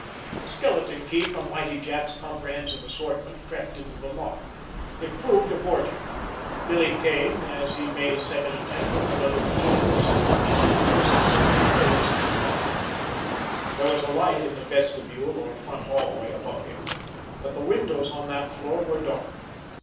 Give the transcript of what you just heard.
A skeleton key from Whitie Jack's comprehensive assortment crept into the lock. It proved abortive. Billy Kane, as he made a second attempt with another key, was subconsciously rehearsing certain details in his mind. There was a light in the vestibule or front hallway above him, but the windows on that floor were dark.